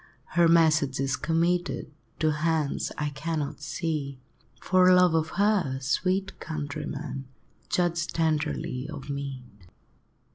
Her message is committed To hands I cannot see; For love of her, sweet countrymen, Judge tenderly of me!